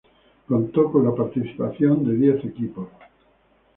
Contó con la participación de diez equipos.